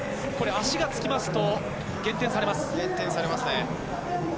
足がつきますと減点されます。